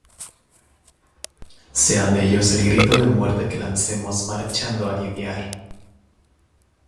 Sean ellos el grito de muerte que lancemos marchando a lidiar